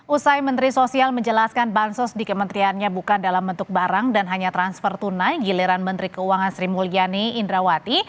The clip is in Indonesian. usai menteri sosial menjelaskan bansos di kementeriannya bukan dalam bentuk barang dan hanya transfer tunai giliran menteri keuangan sri mulyani indrawati